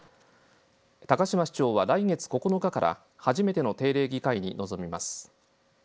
高島市長は来月９日から初めての定例議会に臨みます。